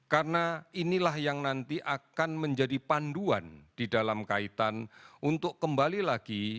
karena inilah yang nanti akan menjadi panduan di dalam kaitan untuk kembali lagi